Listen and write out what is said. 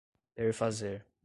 perfazer